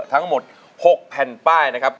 ทั้งหมด๖แผ่นป้ายนะครับ